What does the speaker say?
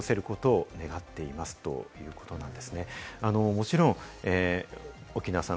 もちろん、奥菜さん